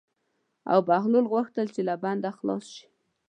او بهلول غوښتل چې له بنده خلاص شي.